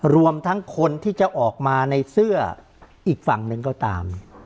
รวมทั้งคนที่จะออกมาในเสื้ออีกฝั่งหนึ่งก็ตาม